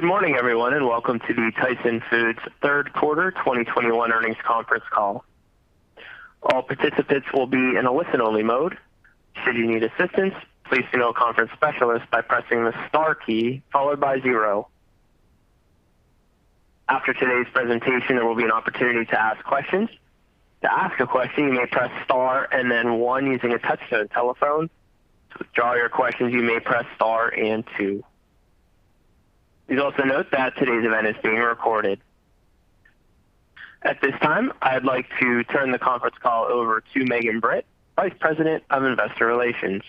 Good morning, everyone, and welcome to the Tyson Foods third quarter 2021 earnings conference call. At this time, I'd like to turn the conference call over to Megan Britt, Vice President of Investor Relations.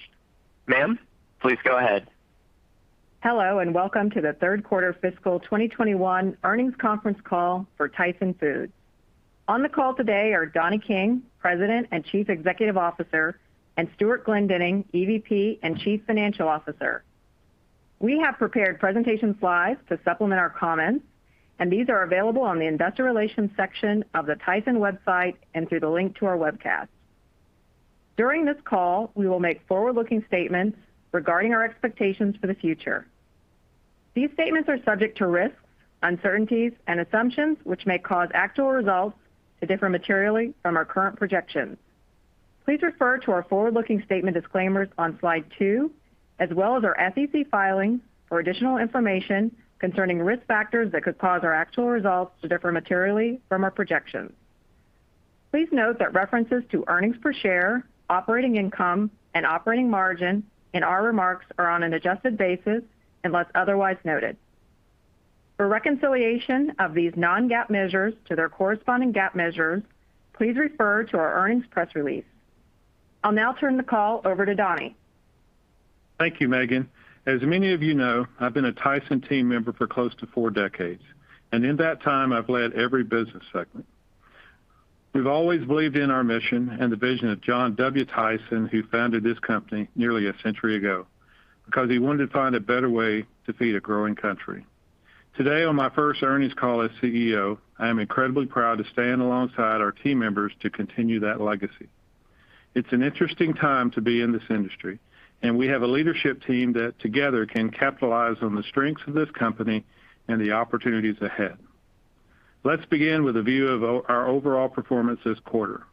Ma'am, please go ahead. Hello, and welcome to the third quarter fiscal 2021 earnings conference call for Tyson Foods. On the call today are Donnie King, President and Chief Executive Officer, and Stewart Glendinning, EVP and Chief Financial Officer. We have prepared presentation slides to supplement our comments, and these are available on the investor relations section of the Tyson website and through the link to our webcast. During this call, we will make forward-looking statements regarding our expectations for the future. These statements are subject to risks, uncertainties, and assumptions which may cause actual results to differ materially from our current projections. Please refer to our forward-looking statement disclaimers on slide two, as well as our SEC filings for additional information concerning risk factors that could cause our actual results to differ materially from our projections. Please note that references to earnings per share, operating income, and operating margin in our remarks are on an adjusted basis unless otherwise noted. For reconciliation of these non-GAAP measures to their corresponding GAAP measures, please refer to our earnings press release. I'll now turn the call over to Donnie. Thank you, Megan. As many of you know, I've been a Tyson team member for close to four decades, and in that time, I've led every business segment. We've always believed in our mission and the vision of John W. Tyson, who founded this company nearly a century ago, because he wanted to find a better way to feed a growing country. Today, on my first earnings call as CEO, I am incredibly proud to stand alongside our team members to continue that legacy. We have a leadership team that together can capitalize on the strengths of this company and the opportunities ahead. Let's begin with a view of our overall performance this quarter.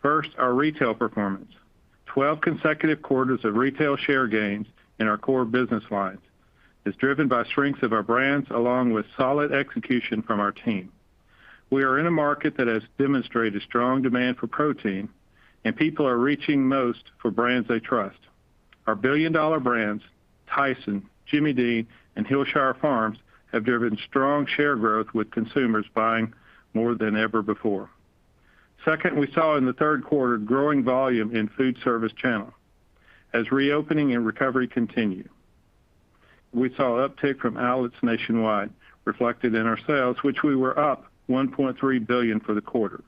First, our retail performance. 12 consecutive quarters of retail share gains in our core business lines is driven by strengths of our brands, along with solid execution from our team. We are in a market that has demonstrated strong demand for protein. People are reaching most for brands they trust. Our billion-dollar brands, Tyson, Jimmy Dean, and Hillshire Farm, have driven strong share growth with consumers buying more than ever before. Second, we saw in the third quarter growing volume in food service channel. As reopening and recovery continue, we saw uptick from outlets nationwide reflected in our sales, which we were up $1.3 billion for the quarter.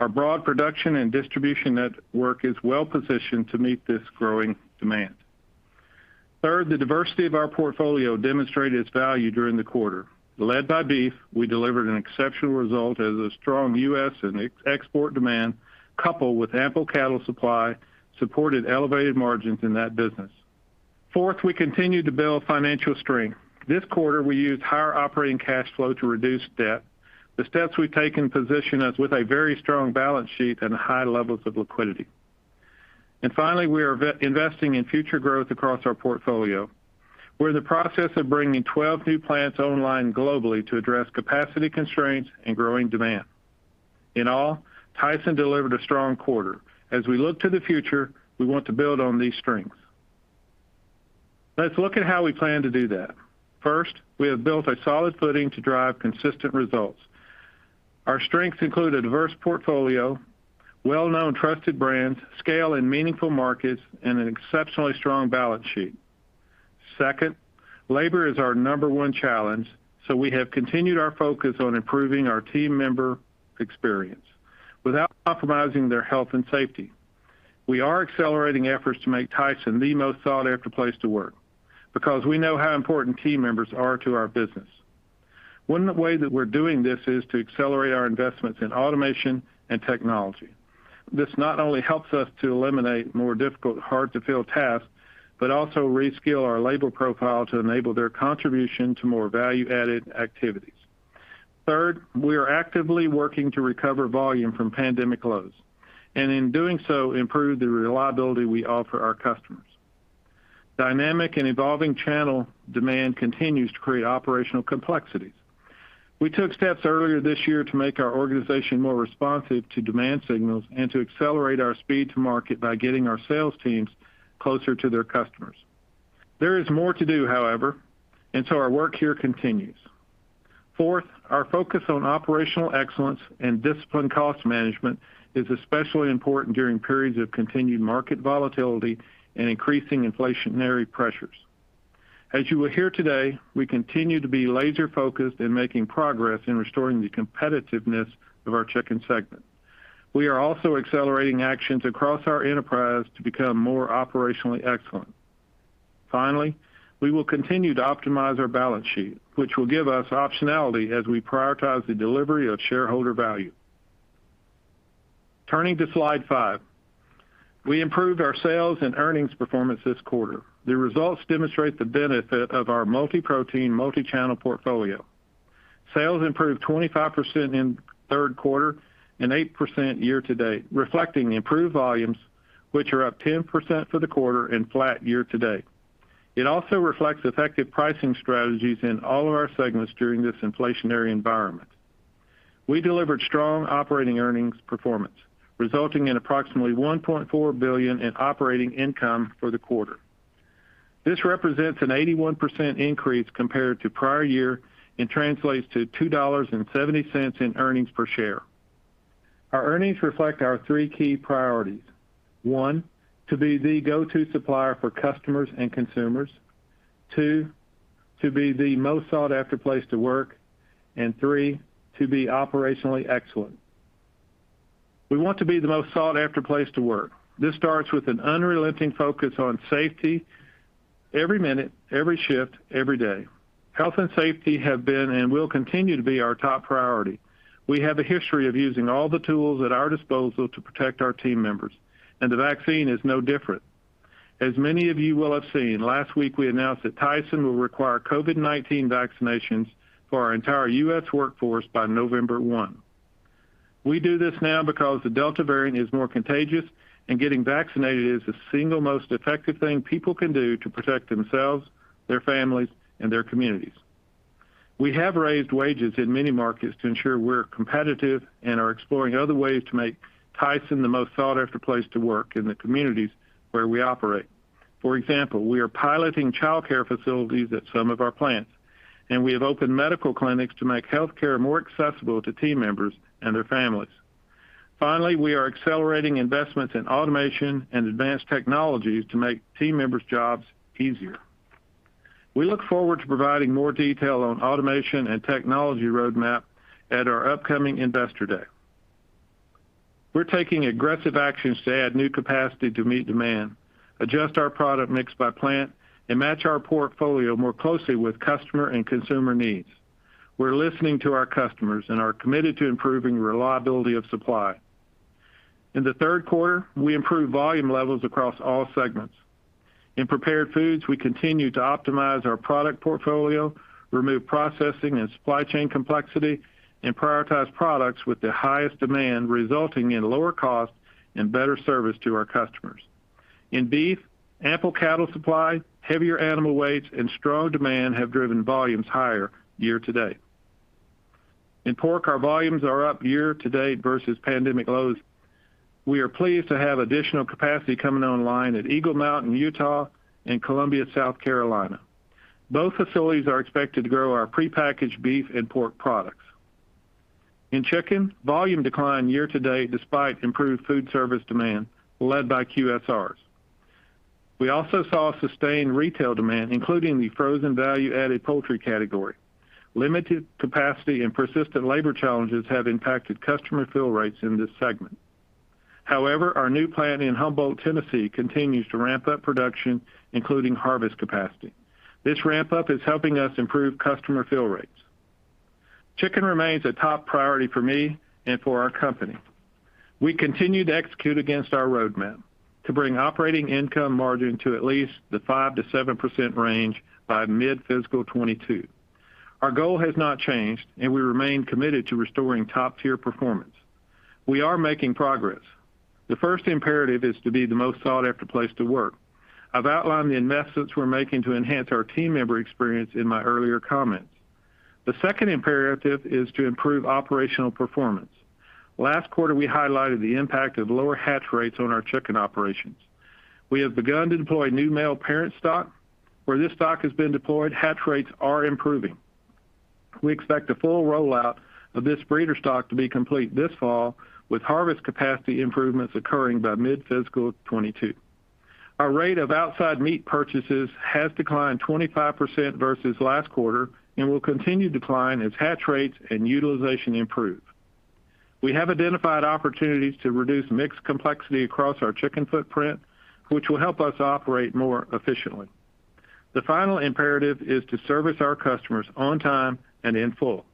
Our broad production and distribution network is well-positioned to meet this growing demand. Third, the diversity of our portfolio demonstrated its value during the quarter. Led by beef, we delivered an exceptional result as a strong U.S. and export demand, coupled with ample cattle supply, supported elevated margins in that business. Fourth, we continued to build financial strength. This quarter, we used higher operating cash flow to reduce debt. The steps we've taken position us with a very strong balance sheet and high levels of liquidity. Finally, we are investing in future growth across our portfolio. We're in the process of bringing 12 new plants online globally to address capacity constraints and growing demand. In all, Tyson delivered a strong quarter. As we look to the future, we want to build on these strengths. Let's look at how we plan to do that. First, we have built a solid footing to drive consistent results. Our strengths include a diverse portfolio, well-known trusted brands, scale in meaningful markets, and an exceptionally strong balance sheet. Second, labor is our number one challenge. We have continued our focus on improving our team member experience without compromising their health and safety. We are accelerating efforts to make Tyson the most sought-after place to work, because we know how important team members are to our business. One of the ways that we're doing this is to accelerate our investments in automation and technology. This not only helps us to eliminate more difficult, hard-to-fill tasks, but also reskill our labor profile to enable their contribution to more value-added activities. Third, we are actively working to recover volume from pandemic lows, and in doing so, improve the reliability we offer our customers. Dynamic and evolving channel demand continues to create operational complexities. We took steps earlier this year to make our organization more responsive to demand signals and to accelerate our speed to market by getting our sales teams closer to their customers. There is more to do, however. Our work here continues. Fourth, our focus on operational excellence and disciplined cost management is especially important during periods of continued market volatility and increasing inflationary pressures. As you will hear today, we continue to be laser-focused in making progress in restoring the competitiveness of our chicken segment. We are also accelerating actions across our enterprise to become more operationally excellent. Finally, we will continue to optimize our balance sheet, which will give us optionality as we prioritize the delivery of shareholder value. Turning to slide five, we improved our sales and earnings performance this quarter. The results demonstrate the benefit of our multi-protein, multi-channel portfolio. Sales improved 25% in third quarter and 8% year-to-date, reflecting the improved volumes, which are up 10% for the quarter and flat year-to-date. It also reflects effective pricing strategies in all of our segments during this inflationary environment. We delivered strong operating earnings performance, resulting in approximately $1.4 billion in operating income for the quarter. This represents an 81% increase compared to prior year and translates to $2.70 in earnings per share. Our earnings reflect our three key priorities. One, to be the go-to supplier for customers and consumers. Two, to be the most sought-after place to work. Three, to be operationally excellent. We want to be the most sought-after place to work. This starts with an unrelenting focus on safety every minute, every shift, every day. Health and safety have been and will continue to be our top priority. We have a history of using all the tools at our disposal to protect our team members, and the vaccine is no different. As many of you will have seen, last week, we announced that Tyson will require COVID-19 vaccinations for our entire U.S. workforce by November 1. We do this now because the Delta variant is more contagious, and getting vaccinated is the single most effective thing people can do to protect themselves, their families, and their communities. We have raised wages in many markets to ensure we're competitive and are exploring other ways to make Tyson the most sought-after place to work in the communities where we operate. For example, we are piloting childcare facilities at some of our plants, and we have opened medical clinics to make healthcare more accessible to team members and their families. Finally, we are accelerating investments in automation and advanced technologies to make team members' jobs easier. We look forward to providing more detail on automation and technology roadmap at our upcoming investor day. We're taking aggressive actions to add new capacity to meet demand, adjust our product mix by plant, and match our portfolio more closely with customer and consumer needs. We're listening to our customers and are committed to improving reliability of supply. In the third quarter, we improved volume levels across all segments. In Prepared Foods, we continue to optimize our product portfolio, remove processing and supply chain complexity, and prioritize products with the highest demand, resulting in lower cost and better service to our customers. In Beef, ample cattle supply, heavier animal weights, and strong demand have driven volumes higher year to date. In Pork, our volumes are up year to date versus pandemic lows. We are pleased to have additional capacity coming online at Eagle Mountain, Utah and Columbia, South Carolina. Both facilities are expected to grow our prepackaged beef and pork products. In chicken, volume declined year to date despite improved food service demand led by QSRs. We also saw sustained retail demand, including the frozen value-added poultry category. Limited capacity and persistent labor challenges have impacted customer fill rates in this segment. However, our new plant in Humboldt, Tennessee continues to ramp up production, including harvest capacity. This ramp-up is helping us improve customer fill rates. Chicken remains a top priority for me and for our company. We continue to execute against our roadmap to bring operating income margin to at least the 5%-7% range by mid-fiscal 2022. Our goal has not changed, and we remain committed to restoring top-tier performance. We are making progress. The first imperative is to be the most sought-after place to work. I've outlined the investments we're making to enhance our team member experience in my earlier comments. The second imperative is to improve operational performance. Last quarter, we highlighted the impact of lower hatch rates on our chicken operations. We have begun to deploy new male parent stock. Where this stock has been deployed, hatch rates are improving. We expect a full rollout of this breeder stock to be complete this fall, with harvest capacity improvements occurring by mid-fiscal 2022. Our rate of outside meat purchases has declined 25% versus last quarter and will continue to decline as hatch rates and utilization improve. We have identified opportunities to reduce mix complexity across our chicken footprint, which will help us operate more efficiently. The final imperative is to service our customers on time and in full.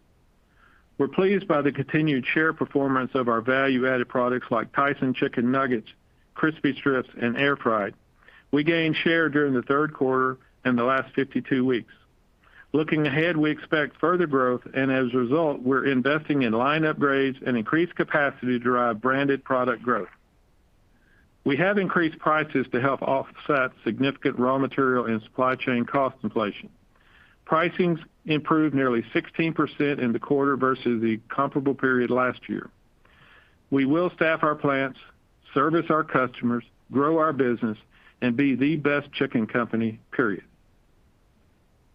We're pleased by the continued share performance of our value-added products like Tyson Chicken Nuggets, Crispy Strips, and Air Fried. We gained share during the third quarter and the last 52 weeks. Looking ahead, as a result, we're investing in line upgrades and increased capacity to drive branded product growth. We have increased prices to help offset significant raw material and supply chain cost inflation. Pricings improved nearly 16% in the quarter versus the comparable period last year. We will staff our plants, service our customers, grow our business, and be the best chicken company, period.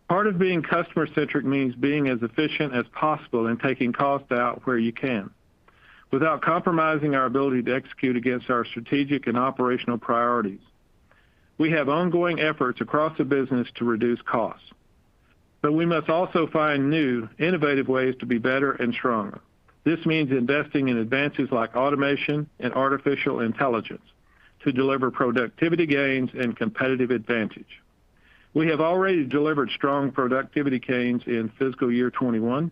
Part of being customer-centric means being as efficient as possible and taking cost out where you can without compromising our ability to execute against our strategic and operational priorities. We have ongoing efforts across the business to reduce costs, we must also find new, innovative ways to be better and stronger. This means investing in advances like automation and artificial intelligence to deliver productivity gains and competitive advantage. We have already delivered strong productivity gains in FY 2021.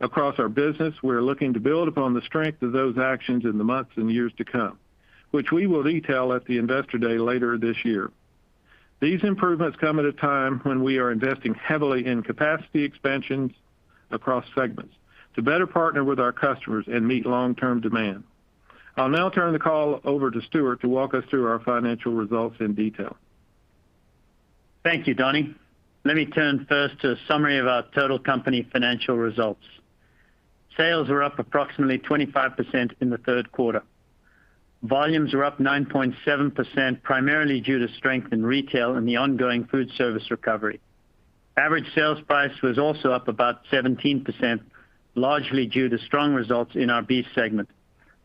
Across our business, we're looking to build upon the strength of those actions in the months and years to come, which we will detail at the Investor Day later this year. These improvements come at a time when we are investing heavily in capacity expansions across segments to better partner with our customers and meet long-term demand. I'll now turn the call over to Stewart to walk us through our financial results in detail. Thank you, Donnie. Let me turn first to a summary of our total company financial results. Sales were up approximately 25% in the third quarter. Volumes were up 9.7%, primarily due to strength in retail and the ongoing foodservice recovery. Average sales price was also up about 17%, largely due to strong results in our beef segment,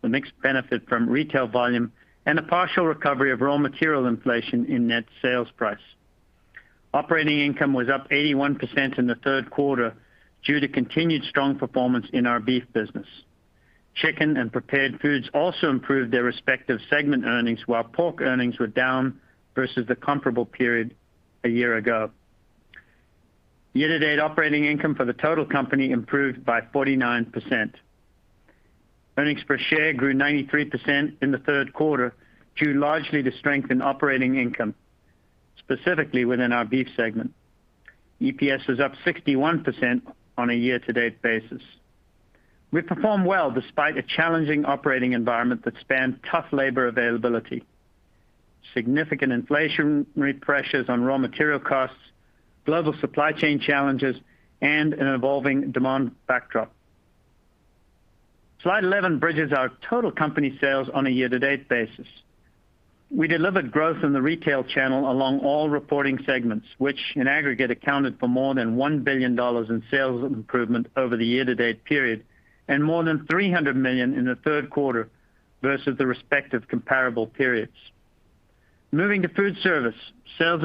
the mixed benefit from retail volume, and the partial recovery of raw material inflation in net sales price. Operating income was up 81% in the third quarter due to continued strong performance in our beef business. Chicken and Prepared Foods also improved their respective segment earnings, while pork earnings were down versus the comparable period a year ago. Year-to-date operating income for the total company improved by 49%. Earnings per share grew 93% in the third quarter, due largely to strength in operating income, specifically within our beef segment. EPS is up 61% on a year-to-date basis. We performed well despite a challenging operating environment that spanned tough labor availability, significant inflationary pressures on raw material costs, global supply chain challenges, and an evolving demand backdrop. Slide 11 bridges our total company sales on a year-to-date basis. We delivered growth in the retail channel along all reporting segments, which in aggregate accounted for more than $1 billion in sales improvement over the year-to-date period and more than $300 million in the third quarter versus the respective comparable periods. Moving to food service, sales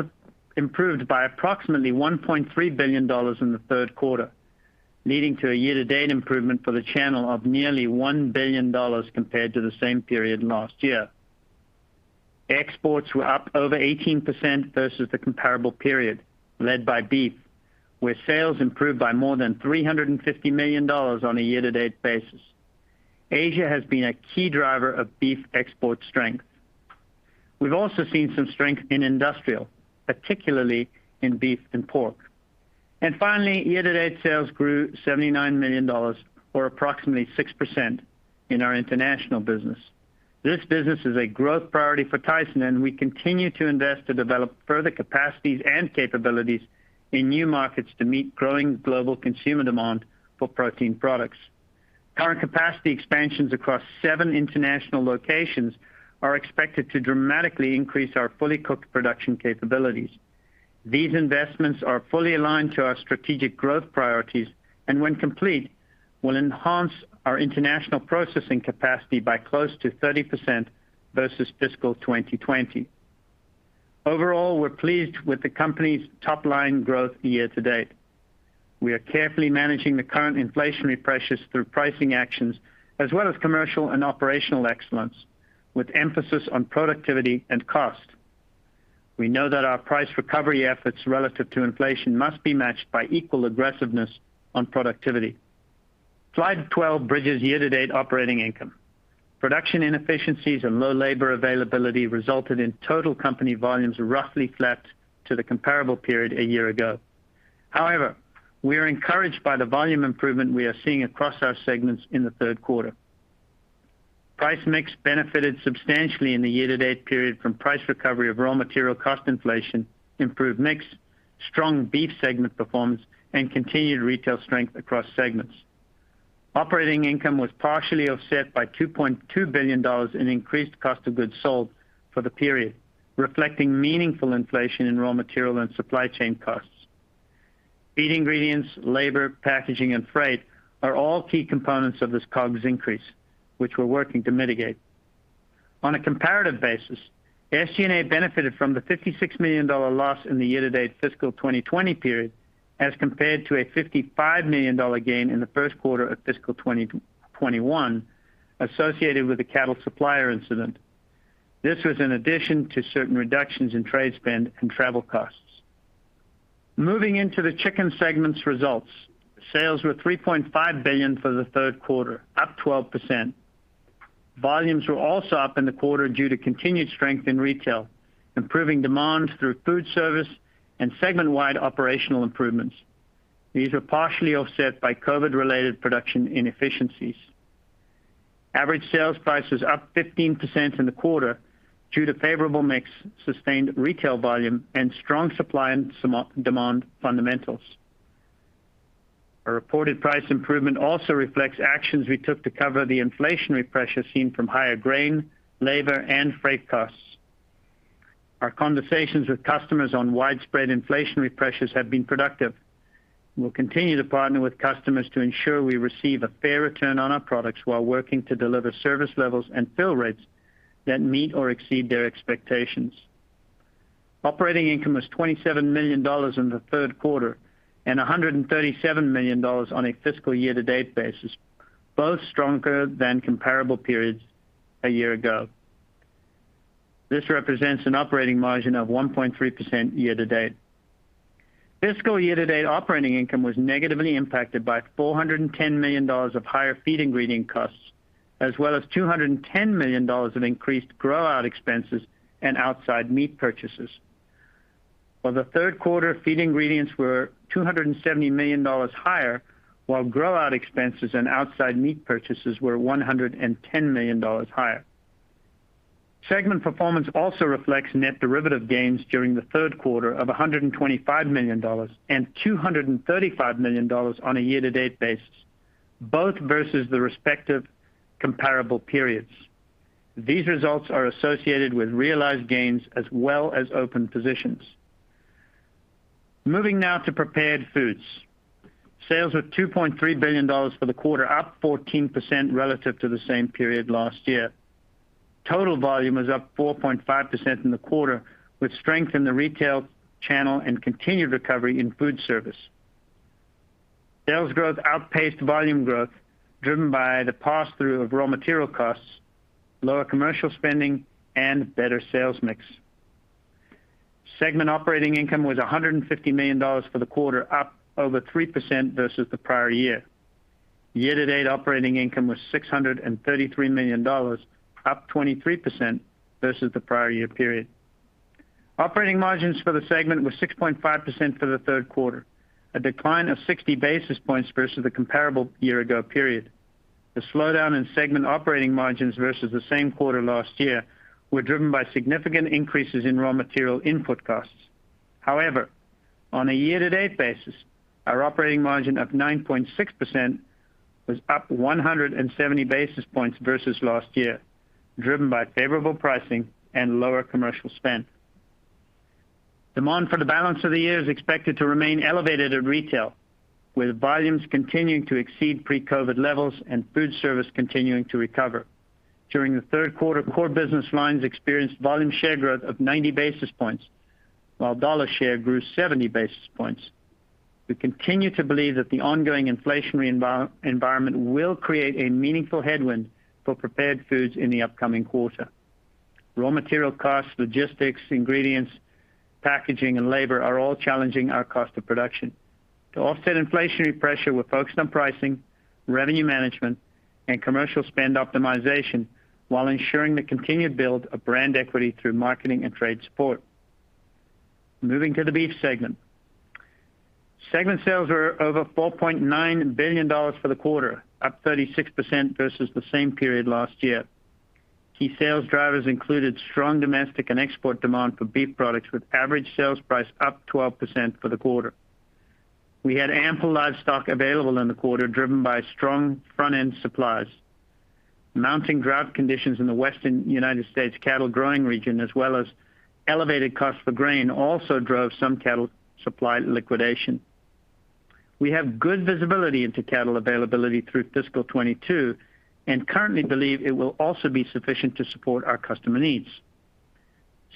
improved by approximately $1.3 billion in the third quarter, leading to a year-to-date improvement for the channel of nearly $1 billion compared to the same period last year. Exports were up over 18% versus the comparable period, led by beef, where sales improved by more than $350 million on a year-to-date basis. Asia has been a key driver of beef export strength. We've also seen some strength in industrial, particularly in beef and pork. Finally, year-to-date sales grew $79 million, or approximately 6%, in our international business. This business is a growth priority for Tyson, and we continue to invest to develop further capacities and capabilities in new markets to meet growing global consumer demand for protein products. Current capacity expansions across seven international locations are expected to dramatically increase our fully cooked production capabilities. These investments are fully aligned to our strategic growth priorities and when complete, will enhance our international processing capacity by close to 30% versus fiscal 2020. Overall, we're pleased with the company's top-line growth year to date. We are carefully managing the current inflationary pressures through pricing actions as well as commercial and operational excellence with emphasis on productivity and cost. We know that our price recovery efforts relative to inflation must be matched by equal aggressiveness on productivity. Slide 12 bridges year-to-date operating income. Production inefficiencies and low labor availability resulted in total company volumes roughly flat to the comparable period a year ago. However, we are encouraged by the volume improvement we are seeing across our segments in the third quarter. Price mix benefited substantially in the year-to-date period from price recovery of raw material cost inflation, improved mix, strong beef segment performance, and continued retail strength across segments. Operating income was partially offset by $2.2 billion in increased cost of goods sold for the period, reflecting meaningful inflation in raw material and supply chain costs. Feed ingredients, labor, packaging, and freight are all key components of this COGS increase, which we're working to mitigate. On a comparative basis, SG&A benefited from the $56 million loss in the year-to-date fiscal 2020 period as compared to a $55 million gain in the first quarter of fiscal 2021 associated with the cattle supplier incident. This was in addition to certain reductions in trade spend and travel costs. Moving into the chicken segment's results. Sales were $3.5 billion for the third quarter, up 12%. Volumes were also up in the quarter due to continued strength in retail, improving demand through food service, and segment-wide operational improvements. These were partially offset by COVID-related production inefficiencies. Average sales price is up 15% in the quarter due to favorable mix, sustained retail volume, and strong supply and demand fundamentals. Our reported price improvement also reflects actions we took to cover the inflationary pressures seen from higher grain, labor, and freight costs. Our conversations with customers on widespread inflationary pressures have been productive. We'll continue to partner with customers to ensure we receive a fair return on our products while working to deliver service levels and fill rates that meet or exceed their expectations. Operating income was $27 million in the 3rd quarter and $137 million on a fiscal year-to-date basis, both stronger than comparable periods a year ago. This represents an operating margin of 1.3% year-to-date. Fiscal year-to-date operating income was negatively impacted by $410 million of higher feed ingredient costs, as well as $210 million of increased grow-out expenses and outside meat purchases. While the 3rd quarter feed ingredients were $270 million higher, while grow-out expenses and outside meat purchases were $110 million higher. Segment performance also reflects net derivative gains during the third quarter of $125 million and $235 million on a year to date basis, both versus the respective comparable periods. These results are associated with realized gains as well as open positions. Moving now to Prepared Foods. Sales of $2.3 billion for the quarter, up 14% relative to the same period last year. Total volume was up 4.5% in the quarter, with strength in the retail channel and continued recovery in food service. Sales growth outpaced volume growth, driven by the pass-through of raw material costs, lower commercial spending, and better sales mix. Segment operating income was $150 million for the quarter, up over 3% versus the prior year. Year to date operating income was $633 million, up 23% versus the prior year period. Operating margins for the segment were 6.5% for the third quarter, a decline of 60 basis points versus the comparable year-ago period. The slowdown in segment operating margins versus the same quarter last year were driven by significant increases in raw material input costs. On a year-to-date basis, our operating margin of 9.6% was up 170 basis points versus last year, driven by favorable pricing and lower commercial spend. Demand for the balance of the year is expected to remain elevated at retail, with volumes continuing to exceed pre-COVID-19 levels and foodservice continuing to recover. During the third quarter, core business lines experienced volume share growth of 90 basis points, while dollar share grew 70 basis points. We continue to believe that the ongoing inflationary environment will create a meaningful headwind for Prepared Foods in the upcoming quarter. Raw material costs, logistics, ingredients, packaging, and labor are all challenging our cost of production. To offset inflationary pressure, we're focused on pricing, revenue management, and commercial spend optimization while ensuring the continued build of brand equity through marketing and trade support. Moving to the Beef Segment. Segment sales are over $4.9 billion for the quarter, up 36% versus the same period last year. Key sales drivers included strong domestic and export demand for beef products, with average sales price up 12% for the quarter. We had ample livestock available in the quarter, driven by strong front-end supplies. Mounting drought conditions in the Western U.S. cattle growing region, as well as elevated costs for grain, also drove some cattle supply liquidation. We have good visibility into cattle availability through FY 2022 and currently believe it will also be sufficient to support our customer needs.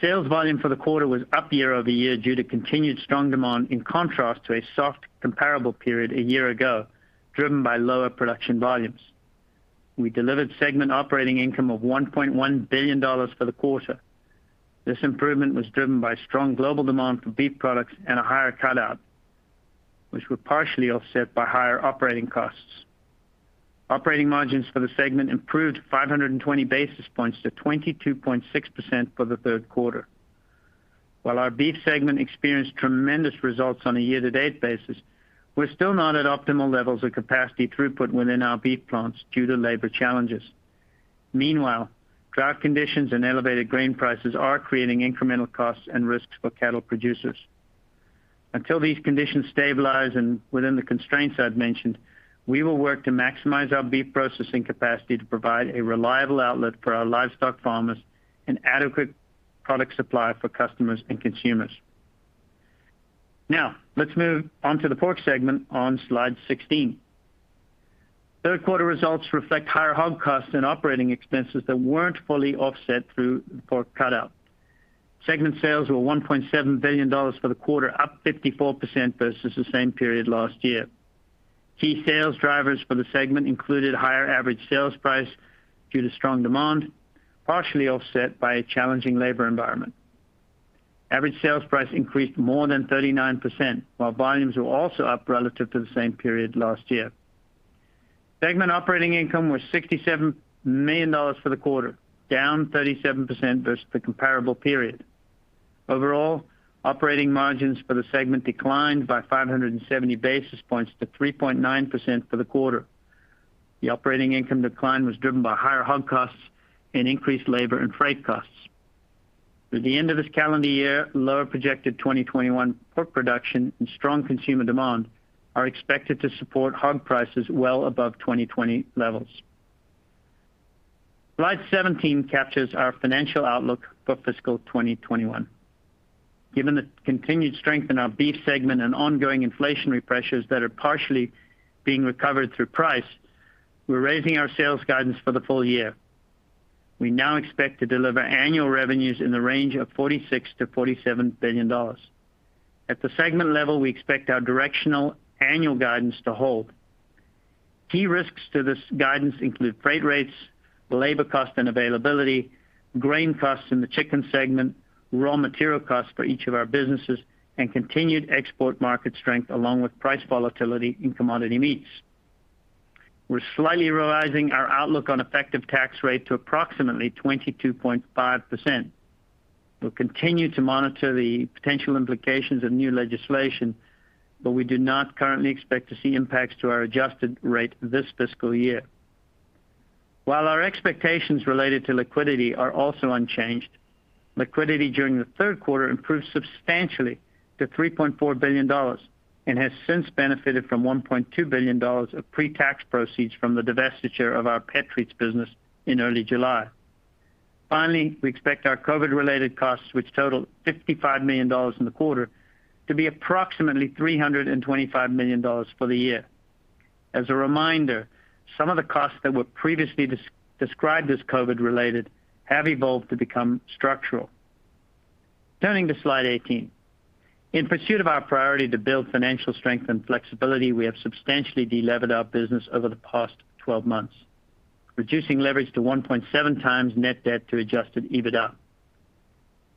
Sales volume for the quarter was up year-over-year due to continued strong demand in contrast to a soft comparable period a year ago, driven by lower production volumes. We delivered segment operating income of $1.1 billion for the quarter. This improvement was driven by strong global demand for beef products and a higher cutout, which were partially offset by higher operating costs. Operating margins for the segment improved 520 basis points to 22.6% for the third quarter. While our Beef segment experienced tremendous results on a year-to-date basis, we're still not at optimal levels of capacity throughput within our beef plants due to labor challenges. Meanwhile, drought conditions and elevated grain prices are creating incremental costs and risks for cattle producers. Until these conditions stabilize and within the constraints I've mentioned, we will work to maximize our beef processing capacity to provide a reliable outlet for our livestock farmers and adequate product supply for customers and consumers. Now, let's move on to the Pork segment on slide 16. Third quarter results reflect higher hog costs and operating expenses that weren't fully offset through pork cutout. Segment sales were $1.7 billion for the quarter, up 54% versus the same period last year. Key sales drivers for the segment included higher average sales price due to strong demand, partially offset by a challenging labor environment. Average sales price increased more than 39%, while volumes were also up relative to the same period last year. Segment operating income was $67 million for the quarter, down 37% versus the comparable period. Overall, operating margins for the segment declined by 570 basis points to 3.9% for the quarter. The operating income decline was driven by higher hog costs and increased labor and freight costs. Through the end of this calendar year, lower projected 2021 pork production and strong consumer demand are expected to support hog prices well above 2020 levels. Slide 17 captures our financial outlook for fiscal 2021. Given the continued strength in our Beef segment and ongoing inflationary pressures that are partially being recovered through price, we're raising our sales guidance for the full year. We now expect to deliver annual revenues in the range of $46 billion-$47 billion. At the segment level, we expect our directional annual guidance to hold. Key risks to this guidance include freight rates, labor cost and availability, grain costs in the chicken segment, raw material costs for each of our businesses, and continued export market strength, along with price volatility in commodity meats. We're slightly revising our outlook on effective tax rate to approximately 22.5%. We'll continue to monitor the potential implications of new legislation, but we do not currently expect to see impacts to our adjusted rate this fiscal year. While our expectations related to liquidity are also unchanged, liquidity during the third quarter improved substantially to $3.4 billion and has since benefited from $1.2 billion of pre-tax proceeds from the divestiture of our PET Treats business in early July. Finally, we expect our COVID-related costs, which totaled $55 million in the quarter, to be approximately $325 million for the year. As a reminder, some of the costs that were previously described as COVID-related have evolved to become structural. Turning to slide 18. In pursuit of our priority to build financial strength and flexibility, we have substantially de-levered our business over the past 12 months, reducing leverage to 1.7x net debt to adjusted EBITDA.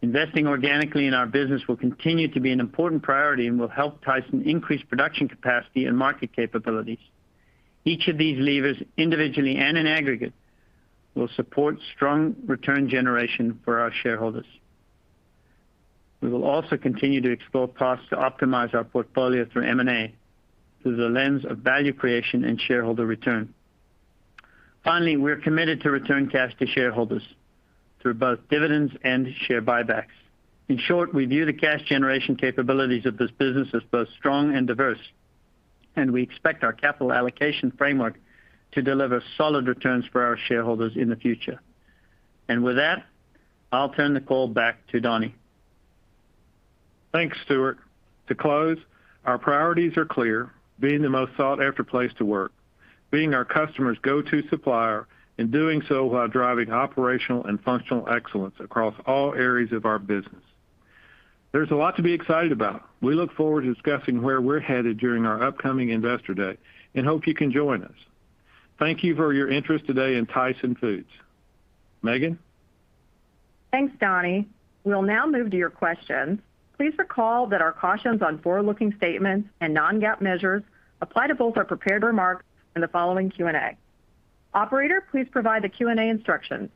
Investing organically in our business will continue to be an important priority and will help Tyson increase production capacity and market capabilities. Each of these levers, individually and in aggregate, will support strong return generation for our shareholders. We will also continue to explore paths to optimize our portfolio through M&A through the lens of value creation and shareholder return. Finally, we're committed to return cash to shareholders through both dividends and share buybacks. In short, we view the cash generation capabilities of this business as both strong and diverse, and we expect our capital allocation framework to deliver solid returns for our shareholders in the future. With that, I'll turn the call back to Donnie. Thanks, Stewart. To close, our priorities are clear. Being the most sought-after place to work, being our customers' go-to supplier, and doing so while driving operational and functional excellence across all areas of our business. There's a lot to be excited about. We look forward to discussing where we're headed during our upcoming investor day and hope you can join us. Thank you for your interest today in Tyson Foods. Megan? Thanks, Donnie. We'll now move to your questions. Please recall that our cautions on forward-looking statements and non-GAAP measures apply to both our prepared remarks and the following Q&A. Operator, please provide the Q&A instructions.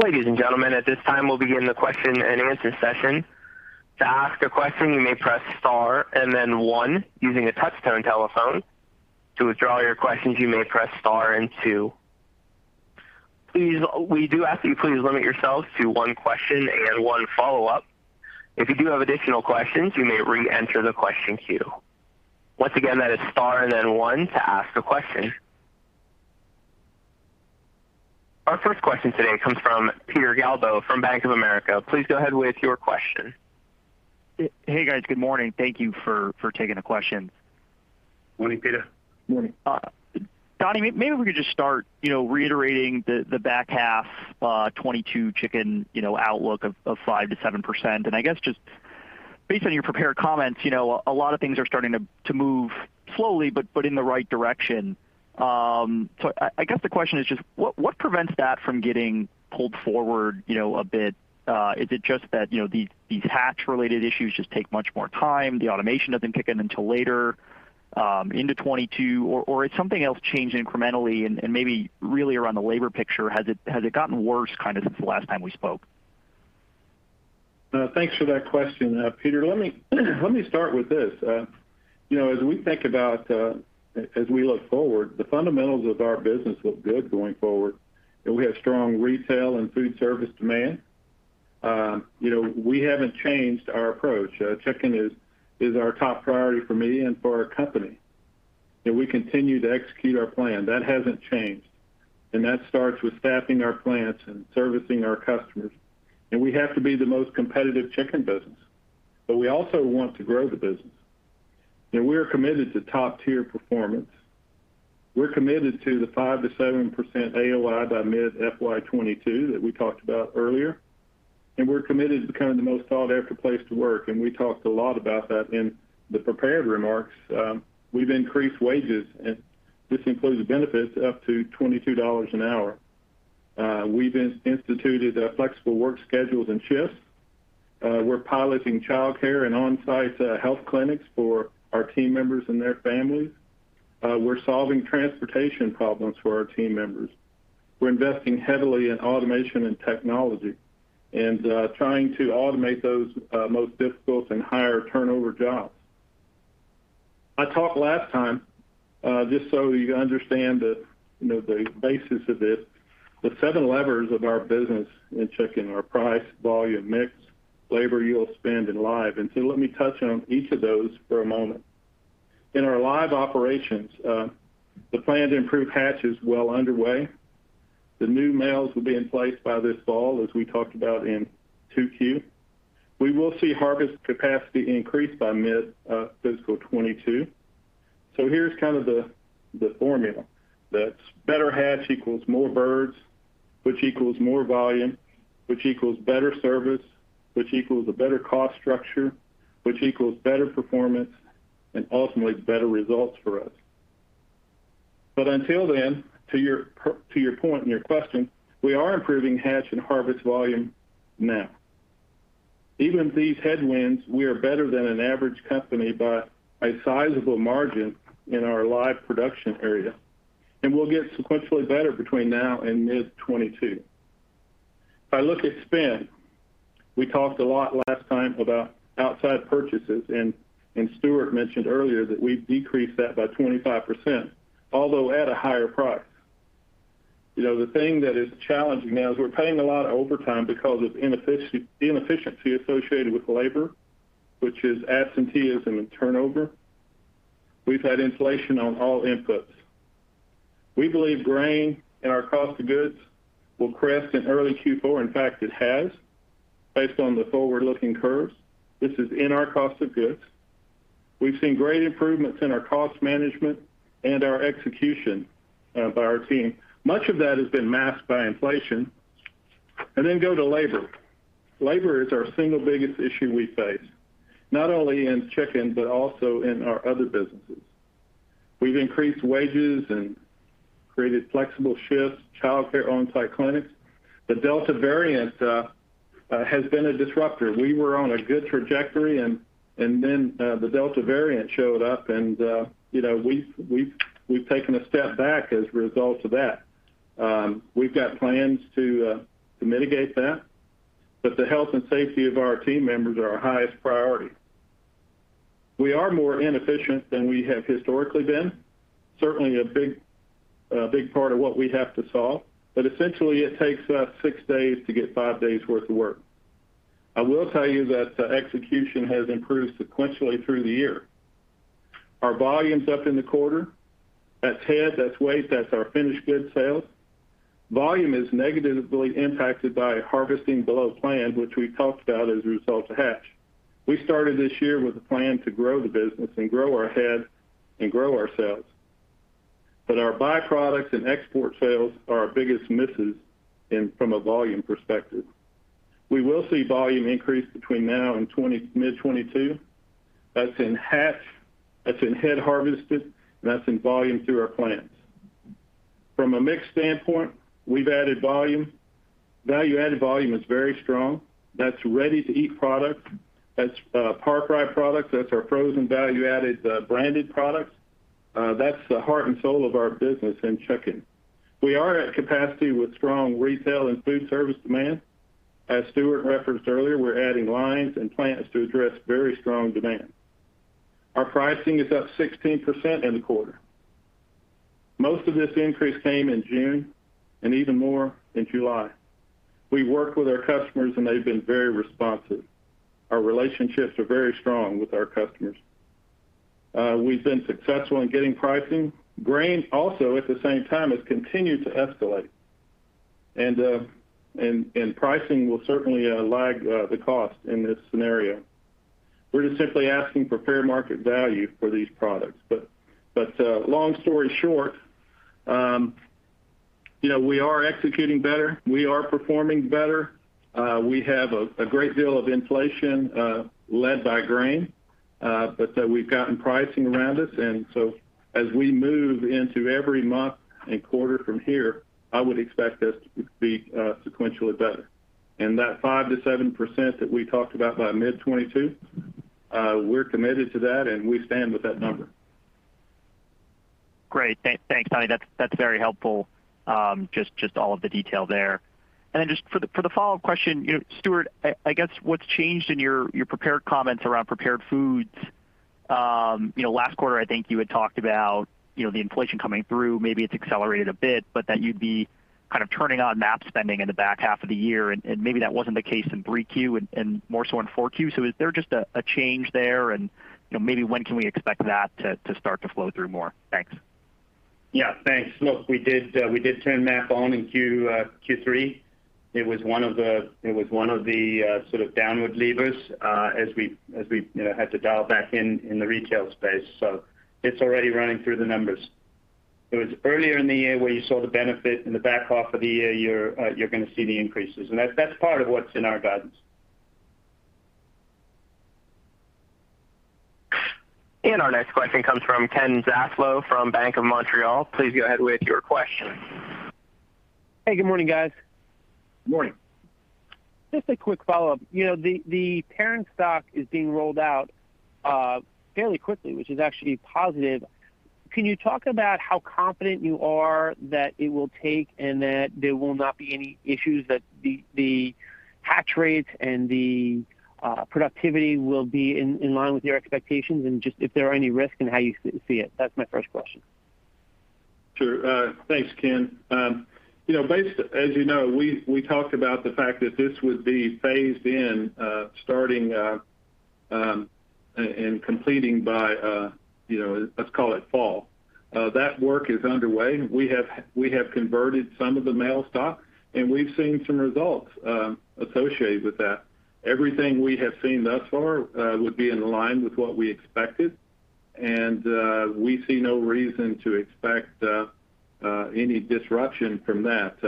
Ladies and gentlemen, at this time, we'll begin the question-and-answer session. To ask a question, you may press star and then one using a touch-tone telephone. To withdraw your questions, you may press star and two. We do ask that you please limit yourselves to 1 question and 1 follow-up. If you do have additional questions, you may re-enter the question queue. Once again, that is star and then one to ask a question. Our first question today comes from Peter Galbo from Bank of America. Please go ahead with your question. Hey, guys. Good morning. Thank you for taking the questions. Morning, Peter. Morning. Donnie, maybe we could just start reiterating the back half, 2022 chicken outlook of 5%-7%. I guess, just based on your prepared comments, a lot of things are starting to move slowly, but in the right direction. I guess the question is just, what prevents that from getting pulled forward a bit? Is it just that these hatch-related issues just take much more time? The automation doesn't kick in until later into 2022, or has something else changed incrementally and maybe really around the labor picture? Has it gotten worse kind of since the last time we spoke? Thanks for that question, Peter. Let me start with this. As we look forward, the fundamentals of our business look good going forward, and we have strong retail and food service demand. We haven't changed our approach. Chicken is our top priority for me and for our company, and we continue to execute our plan. That hasn't changed. That starts with staffing our plants and servicing our customers, and we have to be the most competitive chicken business. We also want to grow the business, and we are committed to top-tier performance. We're committed to the 5%-7% AOI by mid-FY '22 that we talked about earlier, and we're committed to becoming the most sought-after place to work. We talked a lot about that in the prepared remarks. We've increased wages, and this includes benefits up to $22 an hour. We've instituted flexible work schedules and shifts. We're piloting childcare and on-site health clinics for our team members and their families. We're solving transportation problems for our team members. We're investing heavily in automation and technology and trying to automate those most difficult and higher turnover jobs. I talked last time, just so you understand the basis of this, the seven levers of our business in chicken are price, volume, mix, labor, yield, spend, and live. Let me touch on each of those for a moment. In our live operations, the plan to improve hatch is well underway. The new males will be in place by this fall, as we talked about in 2Q. We will see harvest capacity increase by mid-fiscal 2022. Here's kind of the formula. That's better hatch equals more birds. Which equals more volume, which equals better service, which equals a better cost structure, which equals better performance and ultimately better results for us. Until then, to your point and your question, we are improving hatch and harvest volume now. Even with these headwinds, we are better than an average company by a sizable margin in our live production area, and we'll get sequentially better between now and mid 2022. If I look at spend, we talked a lot last time about outside purchases, and Stuart mentioned earlier that we've decreased that by 25%, although at a higher price. The thing that is challenging now is we're paying a lot of overtime because of inefficiency associated with labor, which is absenteeism and turnover. We've had inflation on all inputs. We believe grain and our cost of goods will crest in early Q4. In fact, it has, based on the forward-looking curves. This is in our cost of goods. We've seen great improvements in our cost management and our execution by our team. Much of that has been masked by inflation. Then go to labor. Labor is our single biggest issue we face, not only in chicken but also in our other businesses. We've increased wages and created flexible shifts, childcare, on-site clinics. The Delta variant has been a disruptor. We were on a good trajectory and then the Delta variant showed up and we've taken a step back as a result of that. We've got plans to mitigate that, but the health and safety of our team members are our highest priority. We are more inefficient than we have historically been, certainly a big part of what we have to solve. Essentially it takes us six days to get five days worth of work. I will tell you that the execution has improved sequentially through the year. Our volume's up in the quarter. That's head, that's weight, that's our finished goods sales. Volume is negatively impacted by harvesting below plan, which we talked about as a result of hatch. We started this year with a plan to grow the business and grow our head and grow our sales. Our byproducts and export sales are our biggest misses from a volume perspective. We will see volume increase between now and mid 2022. That's in hatch, that's in head harvested, and that's in volume through our plants. From a mix standpoint, we've added volume. Value-added volume is very strong. That's ready-to-eat product, that's par-fry products, that's our frozen value-added branded products. That's the heart and soul of our business in chicken. We are at capacity with strong retail and food service demand. As Stuart referenced earlier, we're adding lines and plants to address very strong demand. Our pricing is up 16% in the quarter. Most of this increase came in June, and even more in July. We work with our customers, and they've been very responsive. Our relationships are very strong with our customers. We've been successful in getting pricing. Grain also, at the same time, has continued to escalate, and pricing will certainly lag the cost in this scenario. We're just simply asking for fair market value for these products. Long story short, we are executing better. We are performing better. We have a great deal of inflation led by grain, but that we've gotten pricing around us. As we move into every month and quarter from here, I would expect us to be sequentially better. That 5%-7% that we talked about by mid 2022, we're committed to that, and we stand with that number. Great. Thanks, Donnie King. That's very helpful, just all of the detail there. Just for the follow-up question, Stewart Glendinning, I guess what's changed in your prepared comments around Prepared Foods? Last quarter, I think you had talked about the inflation coming through, maybe it's accelerated a bit, but that you'd be kind of turning on MAP spending in the back half of the year, and maybe that wasn't the case in 3Q and more so in 4Q. Is there just a change there? Maybe when can we expect that to start to flow through more? Thanks. Yeah. Thanks. Look, we did turn MAP on in Q3. It was one of the sort of downward levers as we had to dial back in in the retail space. It's already running through the numbers. It was earlier in the year where you saw the benefit. In the back half of the year, you're going to see the increases. That's part of what's in our guidance. Our next question comes from Ken Zaslow from Bank of Montreal. Please go ahead with your question. Hey, good morning, guys. Morning. Just a quick follow-up. The parent stock is being rolled out fairly quickly, which is actually positive. Can you talk about how confident you are that it will take and that there will not be any issues, that the hatch rates and the productivity will be in line with your expectations? Just if there are any risks and how you see it? That's my first question. Sure. Thanks, Ken. As you know, we talked about the fact that this would be phased in starting and completing by, let's call it fall. That work is underway. We have converted some of the male stock, and we've seen some results associated with that. Everything we have seen thus far would be in line with what we expected. We see no reason to expect any disruption from that.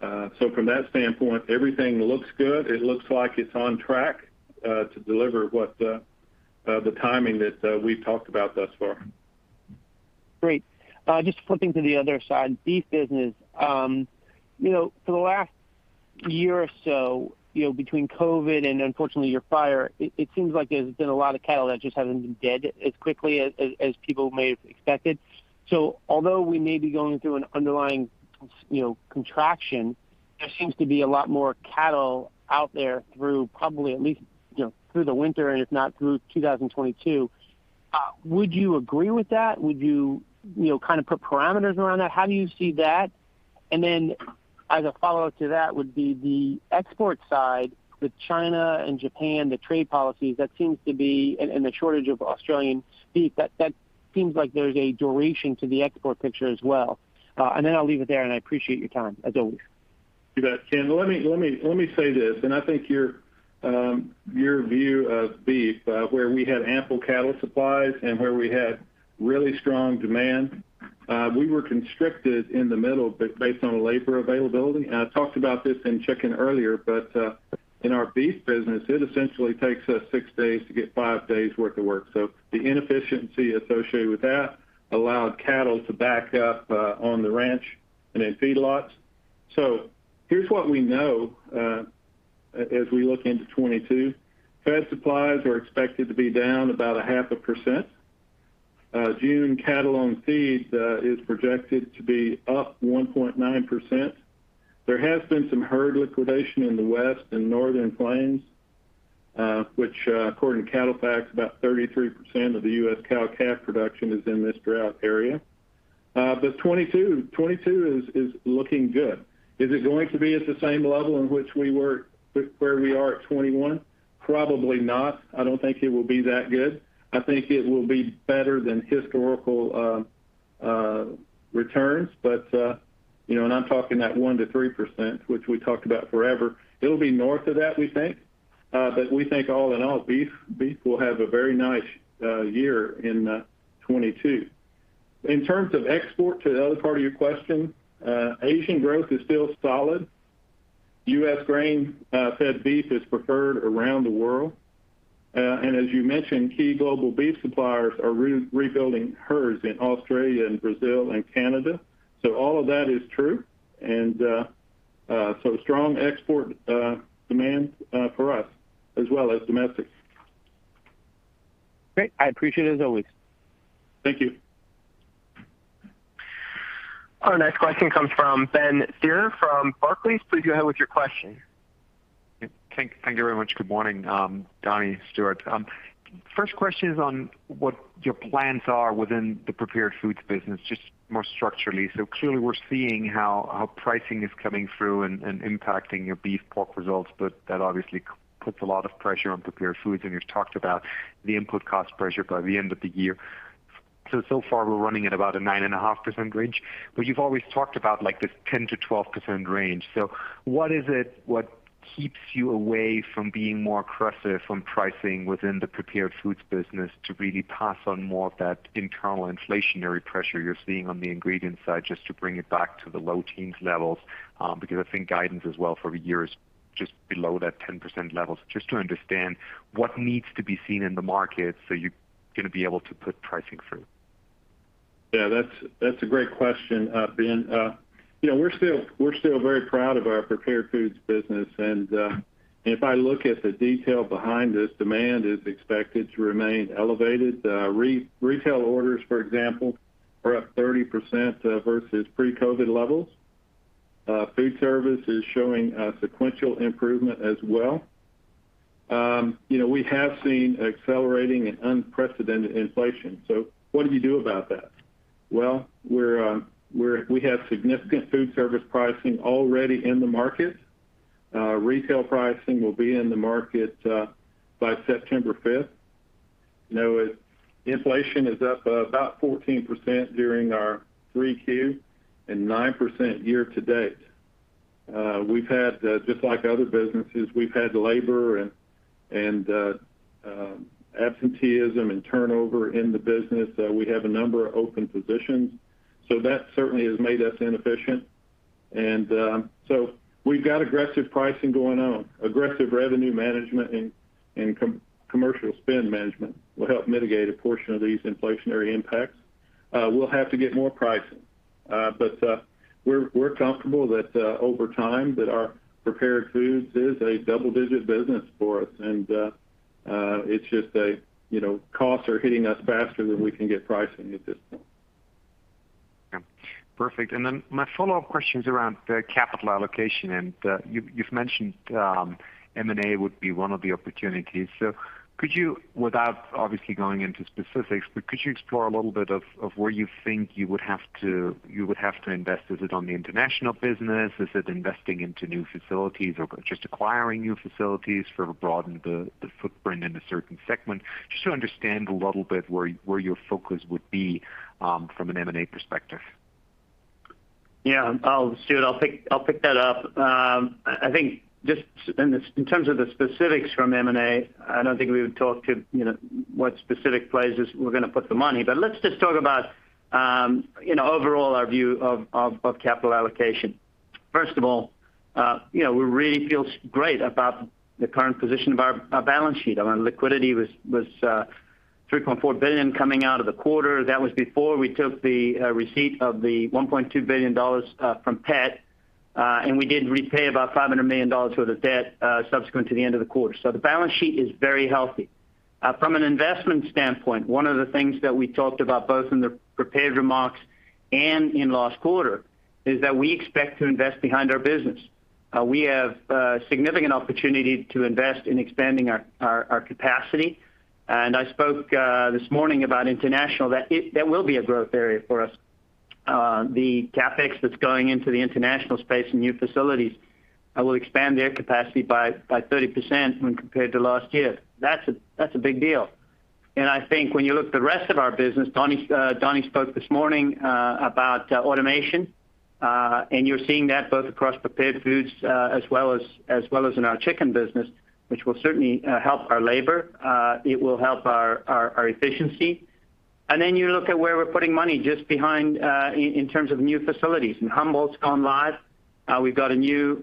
From that standpoint, everything looks good. It looks like it's on track to deliver what the timing that we've talked about thus far. Great. Just flipping to the other side, beef business. For the last year or so, between COVID and unfortunately, your fire, it seems like there's been a lot of cattle that just haven't been dead as quickly as people may have expected. Although we may be going through an underlying contraction, there seems to be a lot more cattle out there through probably at least through the winter, and if not through 2022. Would you agree with that? Would you put parameters around that? How do you see that? As a follow-up to that would be the export side with China and Japan, the trade policies, and the shortage of Australian beef, that seems like there's a duration to the export picture as well. I'll leave it there, and I appreciate your time, as always. You bet, Ken. Let me say this, I think your view of beef where we had ample cattle supplies and where we had really strong demand. We were constricted in the middle based on labor availability. I talked about this in chicken earlier, in our beef business, it essentially takes us six days to get five days worth of work. The inefficiency associated with that allowed cattle to back up on the ranch and in feedlots. Here's what we know as we look into 2022. Fed supplies are expected to be down about a half a percent. June cattle on feed is projected to be up 1.9%. There has been some herd liquidation in the West and Northern Plains, which, according to CattleFax, about 33% of the U.S. cow-calf production is in this drought area. 2022 is looking good. Is it going to be at the same level in which where we are at 2021? Probably not. I don't think it will be that good. I think it will be better than historical returns, and I'm talking that 1%-3%, which we talked about forever. It'll be north of that, we think. We think all in all, beef will have a very nice year in 2022. In terms of export to the other part of your question, Asian growth is still solid. U.S. grain-fed beef is preferred around the world. As you mentioned, key global beef suppliers are rebuilding herds in Australia and Brazil and Canada. All of that is true. Strong export demand for us as well as domestic. Great. I appreciate it as always. Thank you. Our next question comes from Benjamin Theurer from Barclays. Please go ahead with your question. Thank you very much. Good morning, Donnie, Stewart. First question is on what your plans are within the Prepared Foods business, just more structurally. Clearly we're seeing how pricing is coming through and impacting your beef, pork results, but that obviously puts a lot of pressure on Prepared Foods, and you've talked about the input cost pressure by the end of the year. So far, we're running at about a 9.5% range. You've always talked about like this 10%-12% range. What is it what keeps you away from being more aggressive from pricing within the Prepared Foods business to really pass on more of that internal inflationary pressure you're seeing on the ingredient side just to bring it back to the low teens levels? I think guidance as well for a year is just below that 10% level. Just to understand what needs to be seen in the market so you're going to be able to put pricing through. Yeah, that's a great question, Ben. We're still very proud of our prepared foods business. If I look at the detail behind this, demand is expected to remain elevated. Retail orders, for example, are up 30% versus pre-COVID levels. Food service is showing a sequential improvement as well. We have seen accelerating and unprecedented inflation. What do you do about that? Well, we have significant food service pricing already in the market. Retail pricing will be in the market by September 5th. Inflation is up about 14% during our 3Q and 9% year to date. Just like other businesses, we've had labor and absenteeism and turnover in the business. We have a number of open positions. That certainly has made us inefficient. We've got aggressive pricing going on. Aggressive revenue management and commercial spend management will help mitigate a portion of these inflationary impacts. We'll have to get more pricing. We're comfortable that over time that our prepared foods is a double-digit business for us. It's just costs are hitting us faster than we can get pricing at this point. Yeah. Perfect. My follow-up question is around the capital allocation. You've mentioned M&A would be one of the opportunities. Could you, without obviously going into specifics, but could you explore a little bit of where you think you would have to invest? Is it on the international business? Is it investing into new facilities or just acquiring new facilities for broaden the footprint in a certain segment? Just to understand a little bit where your focus would be from an M&A perspective. Yeah, Stuart, I'll pick that up. I think just in terms of the specifics from M&A, I don't think we would talk to what specific places we're going to put the money, but let's just talk about overall our view of capital allocation. First of all, we really feel great about the current position of our balance sheet. Our liquidity was $3.4 billion coming out of the quarter. That was before we took the receipt of the $1.2 billion from PET, and we did repay about $500 million worth of debt subsequent to the end of the quarter. The balance sheet is very healthy. From an investment standpoint, one of the things that we talked about both in the prepared remarks and in last quarter is that we expect to invest behind our business. We have a significant opportunity to invest in expanding our capacity. I spoke this morning about international, that that will be a growth area for us. The CapEx that's going into the international space and new facilities will expand their capacity by 30% when compared to last year. That's a big deal. I think when you look at the rest of our business, Donnie spoke this morning about automation. You're seeing that both across Prepared Foods as well as in our chicken business, which will certainly help our labor. It will help our efficiency. You look at where we're putting money just behind in terms of new facilities. Humboldt's gone live. We've got a new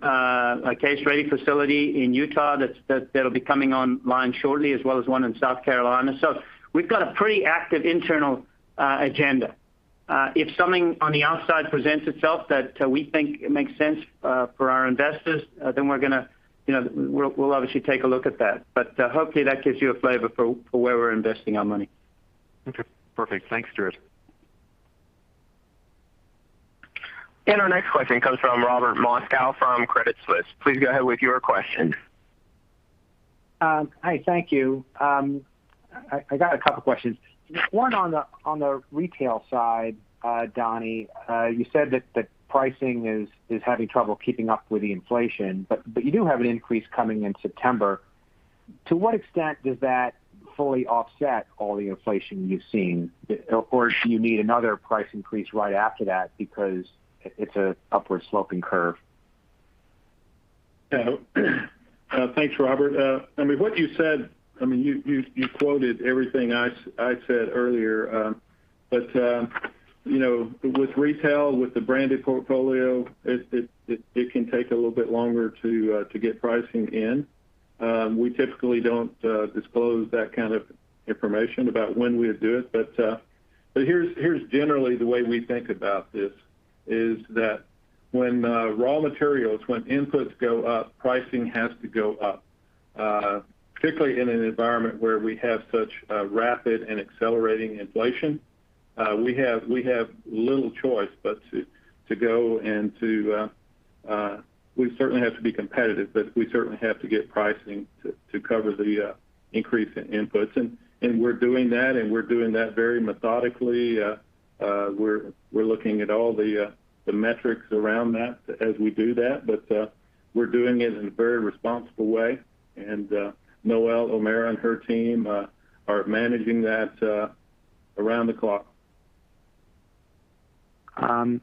case-ready facility in Utah that'll be coming online shortly, as well as one in South Carolina. We've got a pretty active internal agenda. If something on the outside presents itself that we think makes sense for our investors, then we'll obviously take a look at that. Hopefully that gives you a flavor for where we're investing our money. Okay, perfect. Thanks, Stewart. Our next question comes from Robert Moskow from Credit Suisse. Please go ahead with your question. Hi, thank you. I got a couple questions. One on the retail side, Donnie, you said that the pricing is having trouble keeping up with the inflation. You do have an increase coming in September. To what extent does that fully offset all the inflation you've seen? Do you need another price increase right after that because it's an upward sloping curve? Thanks, Robert. What you said, you quoted everything I said earlier. With retail, with the branded portfolio, it can take a little bit longer to get pricing in. We typically don't disclose that kind of information about when we would do it. Here's generally the way we think about this, is that when raw materials, when inputs go up, pricing has to go up. Particularly in an environment where we have such rapid and accelerating inflation, we have little choice but to go. We certainly have to be competitive, but we certainly have to get pricing to cover the increase in inputs. We're doing that, and we're doing that very methodically. We're looking at all the metrics around that as we do that. We're doing it in a very responsible way. Noelle O'Mara and her team are managing that around the clock. Okay.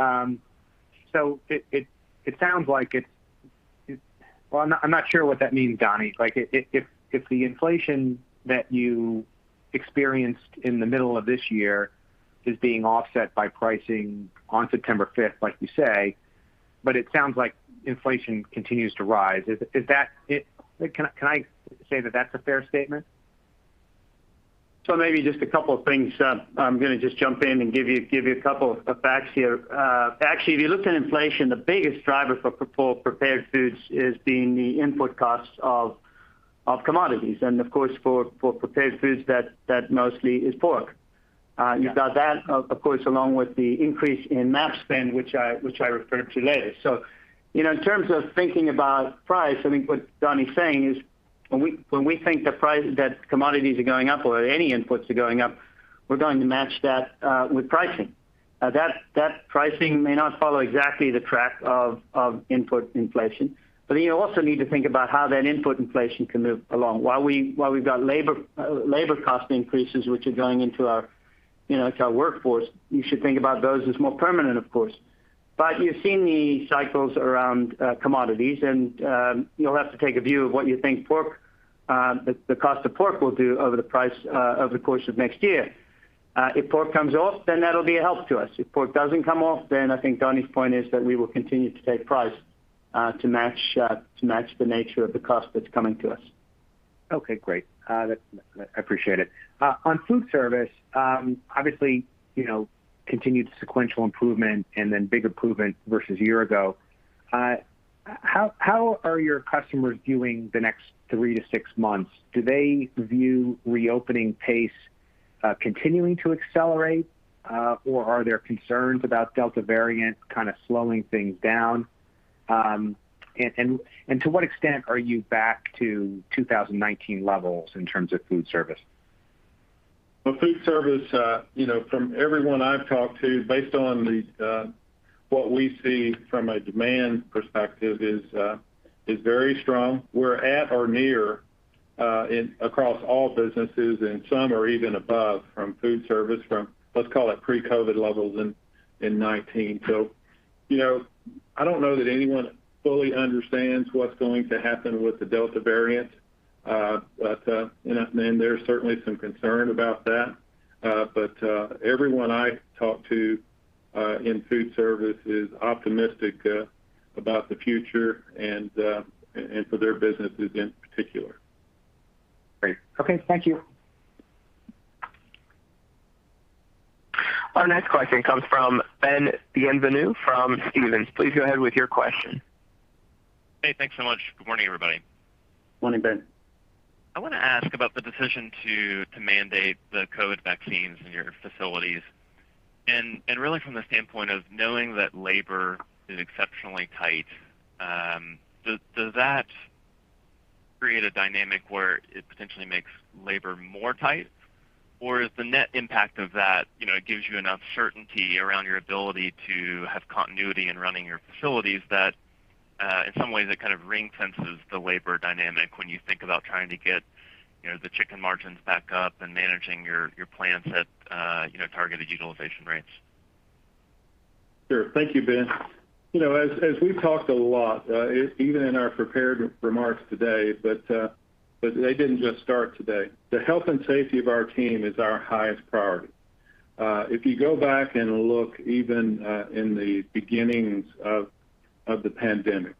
It sounds like, well, I'm not sure what that means, Donnie. If the inflation that you experienced in the middle of this year is being offset by pricing on September 5th, like you say, but it sounds like inflation continues to rise. Can I say that that's a fair statement? Maybe just a couple of things. I'm going to just jump in and give you a couple of facts here. Actually, if you looked at inflation, the biggest driver for prepared foods is being the input costs of commodities. Of course, for prepared foods, that mostly is pork. You've got that, of course, along with the increase in match spend, which I referred to later. In terms of thinking about price, I think what Donnie's saying is when we think that commodities are going up or any inputs are going up, we're going to match that with pricing. That pricing may not follow exactly the track of input inflation. You also need to think about how that input inflation can move along. We've got labor cost increases, which are going into our workforce, you should think about those as more permanent, of course. You've seen the cycles around commodities and you'll have to take a view of what you think the cost of pork will do over the course of next year. If pork comes off, then that'll be a help to us. If pork doesn't come off, then I think Donnie's point is that we will continue to take price to match the nature of the cost that's coming to us. Okay, great. I appreciate it. On food service, obviously, continued sequential improvement and then bigger improvement versus a year ago. How are your customers viewing the next three to six months? Do they view reopening pace continuing to accelerate? Are there concerns about Delta variant kind of slowing things down? To what extent are you back to 2019 levels in terms of food service? Well, food service, from everyone I've talked to, based on what we see from a demand perspective is very strong. We're at or near across all businesses, and some are even above from food service, from let's call it pre-COVID levels in 2019. I don't know that anyone fully understands what's going to happen with the Delta variant. There's certainly some concern about that. Everyone I talk to in food service is optimistic about the future and for their businesses in particular. Great. Okay. Thank you. Our next question comes from Ben Bienvenu from Stephens. Please go ahead with your question. Hey, thanks so much. Good morning, everybody. Morning, Ben. I want to ask about the decision to mandate the COVID vaccines in your facilities, really from the standpoint of knowing that labor is exceptionally tight. Does that create a dynamic where it potentially makes labor more tight? Or is the net impact of that, it gives you enough certainty around your ability to have continuity in running your facilities that, in some ways, it kind of ring fences the labor dynamic when you think about trying to get the chicken margins back up and managing your plants at targeted utilization rates? Sure. Thank you, Ben. As we've talked a lot, even in our prepared remarks today, but they didn't just start today. The health and safety of our team is our highest priority. If you go back and look, even in the beginnings of the pandemic,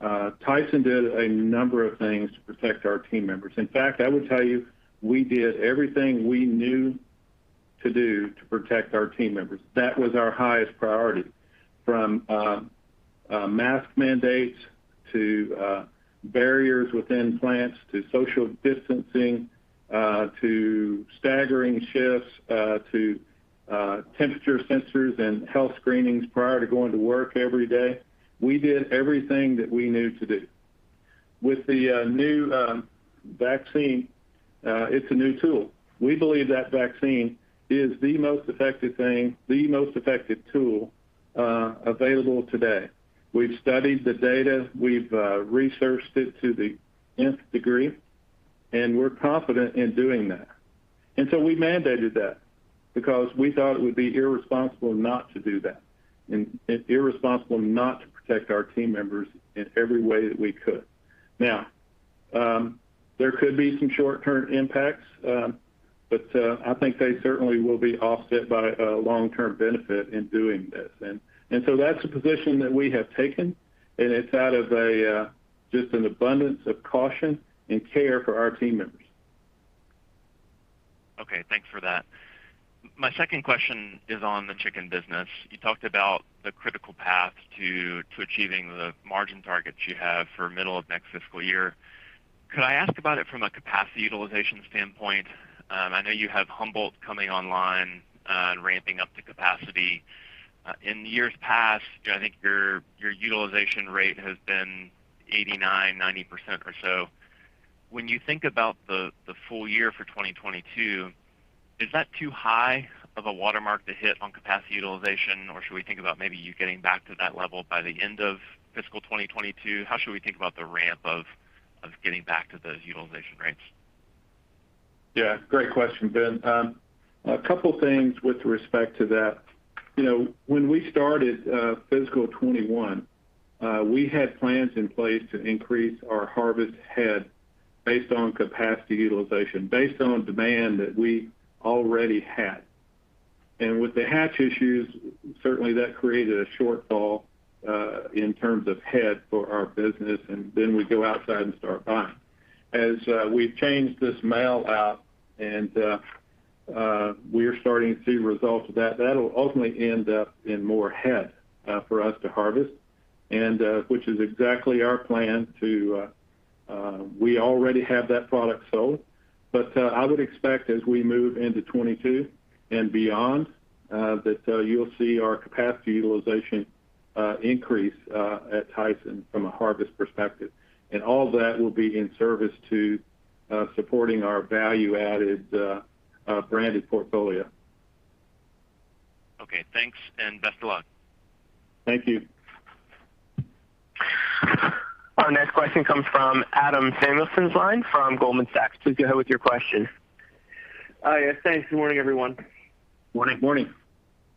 Tyson did a number of things to protect our team members. In fact, I would tell you, we did everything we knew to do to protect our team members. That was our highest priority. From mask mandates, to barriers within plants, to social distancing, to staggering shifts, to temperature sensors and health screenings prior to going to work every day. We did everything that we knew to do. With the new vaccine, it's a new tool. We believe that vaccine is the most effective thing, the most effective tool, available today. We've studied the data, we've researched it to the nth degree, and we're confident in doing that. We mandated that because we thought it would be irresponsible not to do that and irresponsible not to protect our team members in every way that we could. Now, there could be some short-term impacts. I think they certainly will be offset by a long-term benefit in doing this. That's a position that we have taken, and it's out of just an abundance of caution and care for our team members. Okay, thanks for that. My second question is on the chicken business. You talked about the critical path to achieving the margin targets you have for middle of next fiscal year. Could I ask about it from a capacity utilization standpoint? I know you have Humboldt coming online and ramping up to capacity. In years past, I think your utilization rate has been 89%-90% or so. When you think about the full year for 2022, is that too high of a watermark to hit on capacity utilization? Or should we think about maybe you getting back to that level by the end of Fiscal 2022? How should we think about the ramp of getting back to those utilization rates? Yeah, great question, Ben. A couple things with respect to that. When we started fiscal 2021, we had plans in place to increase our harvest head based on capacity utilization, based on demand that we already had. With the hatch issues, certainly that created a shortfall, in terms of head for our business, and then we go outside and start buying. As we've changed this grow out, and we are starting to see results of that'll ultimately end up in more head for us to harvest. Which is exactly our plan. We already have that product sold. I would expect as we move into 2022 and beyond, that you'll see our capacity utilization increase at Tyson from a harvest perspective. All that will be in service to supporting our value-added branded portfolio. Okay, thanks and best of luck. Thank you. Our next question comes from Adam Samuelson's line from Goldman Sachs. Please go ahead with your question. Yes. Thanks. Good morning, everyone. Morning. Morning.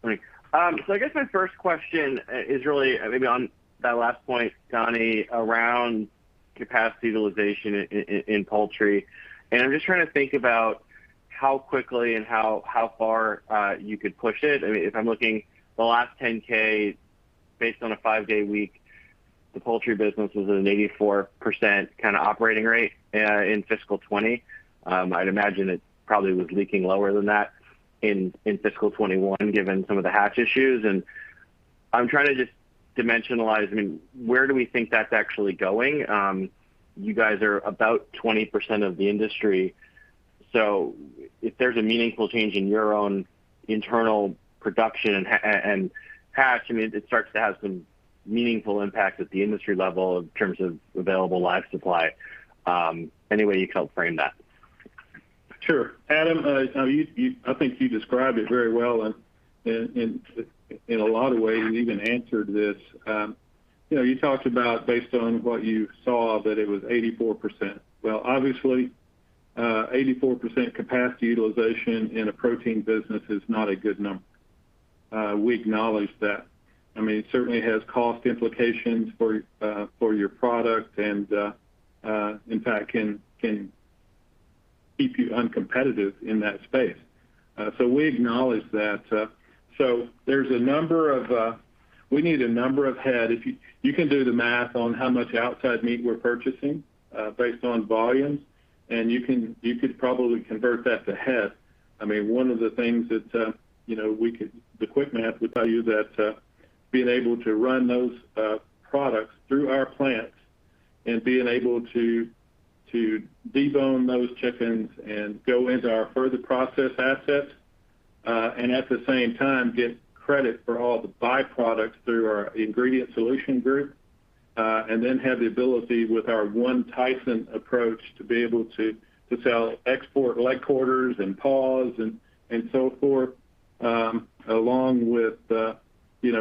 Morning. I guess my first question is really maybe on that last point, Donnie, around capacity utilization in poultry. I'm just trying to think about how quickly and how far you could push it. If I'm looking the last 10Ks based on a five-day week, the poultry business was an 84% kind of operating rate, in fiscal 2020. I'd imagine it probably was leaking lower than that in Fiscal 2021, given some of the hatch issues. I'm trying to just dimensionalize, where do we think that's actually going? You guys are about 20% of the industry, so if there's a meaningful change in your own internal production and hatch, it starts to have some meaningful impact at the industry level in terms of available live supply. Any way you could help frame that? Sure. Adam, I think you described it very well. In a lot of ways you even answered this. You talked about based on what you saw, that it was 84%. Well, obviously, 84% capacity utilization in a protein business is not a good number. We acknowledge that. It certainly has cost implications for your product. In fact can keep you uncompetitive in that space. We acknowledge that. We need a number of head. You can do the math on how much outside meat we're purchasing, based on volumes. You could probably convert that to head. One of the things that the quick math would tell you that being able to run those products through our plants and being able to de-bone those chickens and go into our further process assets, and at the same time, get credit for all the byproducts through our Ingredient Solution Group. Then have the ability with our One Tyson approach to be able to sell export leg quarters and paws and so forth, along with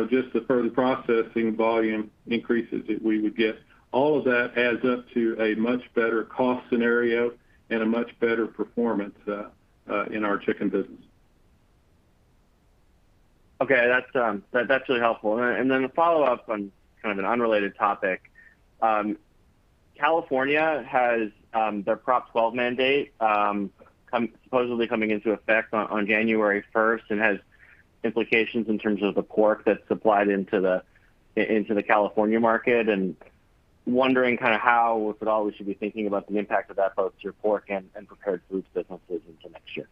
just the further processing volume increases that we would get. All of that adds up to a much better cost scenario and a much better performance in our chicken business. Okay. That's really helpful. A follow-up on kind of an unrelated topic. California has their Prop 12 mandate supposedly coming into effect on January 1st, and has implications in terms of the pork that's supplied into the California market, and wondering how, if at all, we should be thinking about the impact of that both to your pork and prepared foods businesses into next year?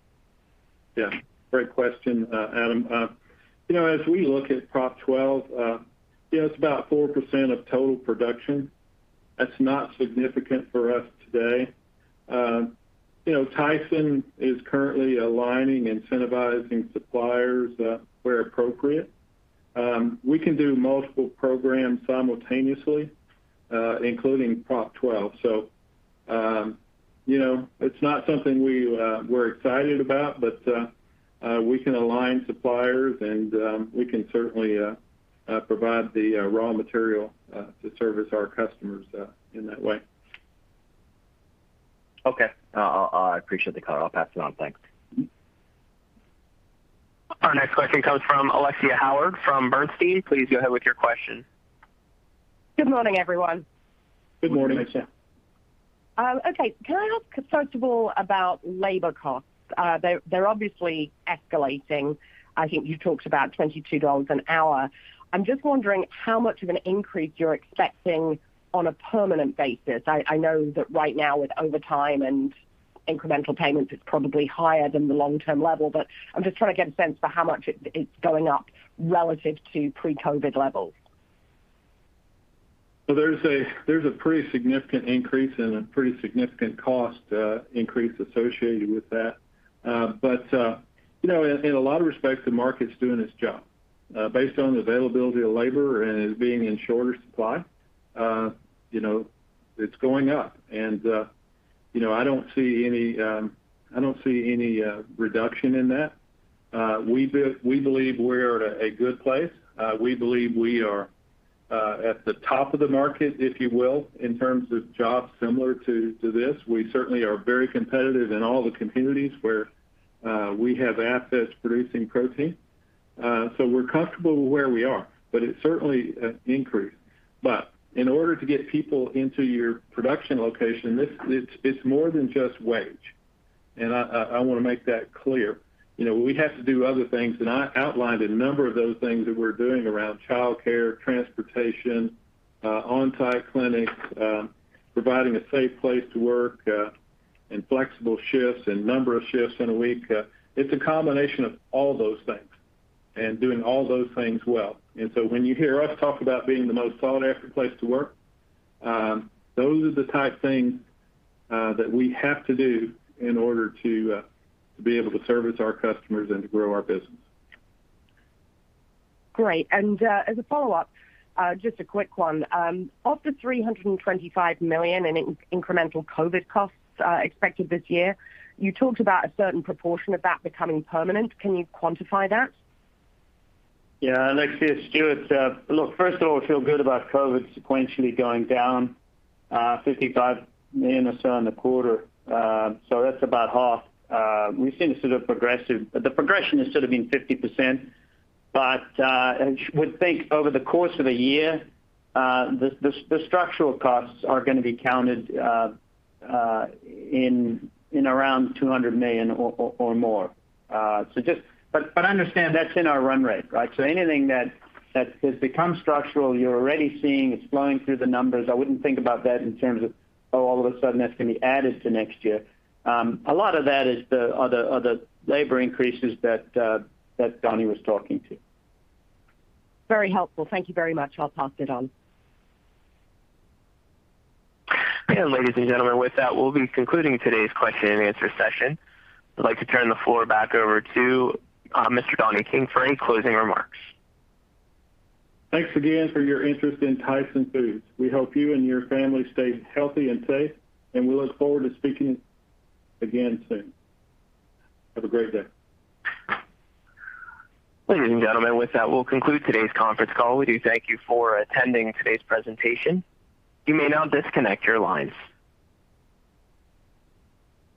Yeah. Great question, Adam. As we look at Prop 12, it's about 4% of total production. That's not significant for us today. Tyson is currently aligning, incentivizing suppliers where appropriate. We can do multiple programs simultaneously, including Prop 12. It's not something we're excited about, but we can align suppliers and we can certainly provide the raw material to service our customers in that way. I appreciate the color. I'll pass it on. Thanks. Our next question comes from Alexia Howard from Bernstein. Please go ahead with your question. Good morning, everyone. Good morning, Alexia. Okay. Can I ask first of all about labor costs? They're obviously escalating. I think you talked about $22 an hour. I'm just wondering how much of an increase you're expecting on a permanent basis. I know that right now with overtime and incremental payments, it's probably higher than the long-term level, but I'm just trying to get a sense for how much it's going up relative to pre-COVID levels. There's a pretty significant increase and a pretty significant cost increase associated with that. In a lot of respects, the market's doing its job. Based on the availability of labor and it being in shorter supply, it's going up. I don't see any reduction in that. We believe we're at a good place. We believe we are at the top of the market, if you will, in terms of jobs similar to this. We certainly are very competitive in all the communities where we have assets producing protein. We're comfortable with where we are, but it's certainly an increase. In order to get people into your production location, it's more than just wage. I want to make that clear. We have to do other things. I outlined a number of those things that we're doing around childcare, transportation, on-site clinics, providing a safe place to work, and flexible shifts and number of shifts in a week. It's a combination of all those things and doing all those things well. When you hear us talk about being the most sought-after place to work, those are the type of things that we have to do in order to be able to service our customers and to grow our business. Great. As a follow-up, just a quick one. Of the $325 million in incremental COVID costs expected this year, you talked about a certain proportion of that becoming permanent. Can you quantify that? Alexia, it's Stewart. First of all, we feel good about COVID sequentially going down, $55 million or so in the quarter. That's about half. The progression has sort of been 50%, but I would think over the course of a year, the structural costs are going to be counted in around $200 million or more. Understand that's in our run rate, right? Anything that has become structural, you're already seeing it's flowing through the numbers. I wouldn't think about that in terms of, all of a sudden that's going to be added to next year. A lot of that is the other labor increases that Donnie was talking to. Very helpful. Thank you very much. I'll pass it on. Ladies and gentlemen, with that, we'll be concluding today's question and answer session. I'd like to turn the floor back over to Mr. Donnie King for any closing remarks. Thanks again for your interest in Tyson Foods. We hope you and your family stay healthy and safe, and we look forward to speaking again soon. Have a great day. Ladies and gentlemen, with that, we'll conclude today's conference call. We do thank you for attending today's presentation. You may now disconnect your lines.